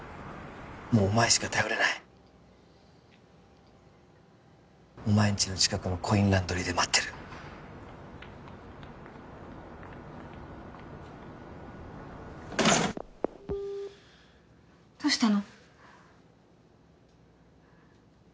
もうお前しか頼れないお前んちの近くのコインランドリーで待ってるどうしたの？